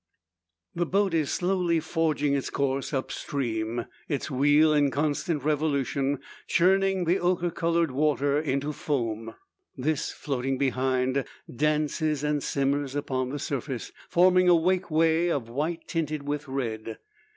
The boat is slowly forging its course up stream, its wheel in constant revolution, churning the ochre coloured water into foam. This, floating behind, dances and simmers upon the surface, forming a wake way of white tinted with red.